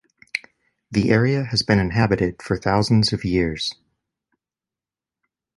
The area has been inhabited for thousands of years.